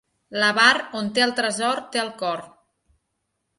L'avar, on té el tresor, té el cor.